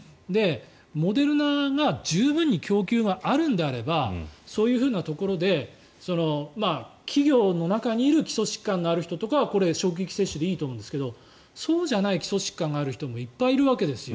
モデルナが十分に供給があるのであればそういうところで企業の中にいる基礎疾患がある人とかは職域接種でいいと思うんですけどそうじゃない基礎疾患がある人もいっぱいいるわけですよ。